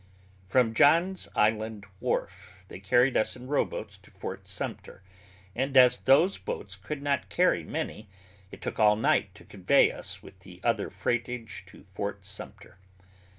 From John's island wharf they carried us in rowboats to Fort Sumter, and, as those boats could not carry many, it took all night to convey us with other freightage to Fort Sumter.